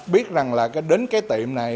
biết rằng là đến cái tiệm này